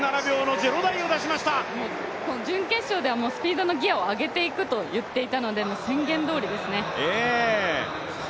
準決勝ではスピードのギアを上げていくと言っていたので宣言どおりですね。